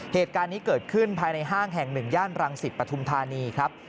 เหตุการณ์นี้เกิดขึ้นภายในห้างแห่งหนึ่งย่านรังสิตปฐุมธานีครับ